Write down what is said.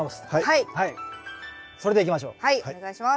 はいお願いします。